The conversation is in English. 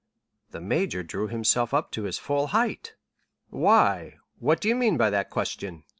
The major drew himself up to his full height. "Why?—what do you mean by that question?"